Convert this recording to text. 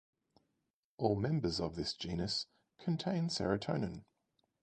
All members of this genus contain serotonin.